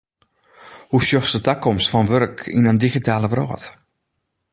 Hoe sjochst de takomst fan wurk yn in digitale wrâld?